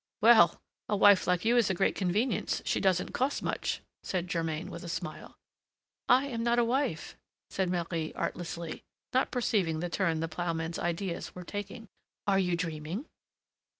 "Well, a wife like you is a great convenience; she doesn't cost much," said Germain, with a smile. "I am not a wife," said Marie artlessly, not perceiving the turn the ploughman's ideas were taking. "Are you dreaming?"